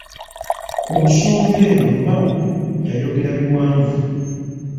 Ku nsonga eno Mao yayogera biwanvu.